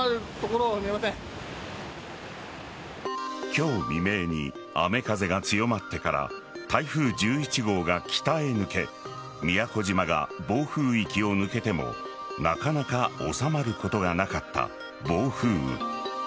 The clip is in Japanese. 今日未明に雨風が強まってから台風１１号が北へ抜け宮古島が暴風域を抜けてもなかなか収まることがなかった暴風雨。